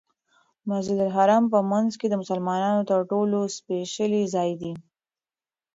مسجدالحرام په منځ کې د مسلمانانو تر ټولو سپېڅلی ځای دی.